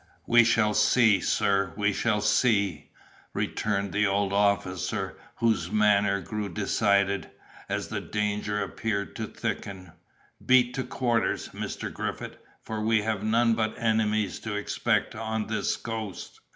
"We shall see, sir, we shall see," returned the old officer, whose manner grew decided, as the danger appeared to thicken; "beat to quarters, Mr. Griffith, for we have none but enemies to expect on this coast."